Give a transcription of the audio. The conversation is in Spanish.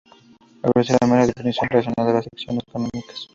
Ofreció la primera definición racional de las secciones cónicas.